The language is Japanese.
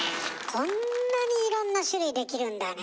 こんなにいろんな種類できるんだね。